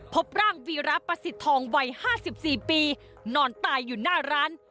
พบร่างวีราปศิษย์ทองวัยห้าสิบสี่ปีนอนตายอยู่หน้าร้าน